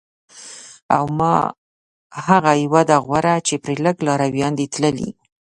او ما هغه یوه ده غوره چې پرې لږ لارویان دي تللي